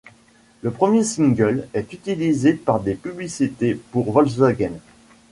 Le premier single ' est utilisé pour des publicités pour Volkswagen.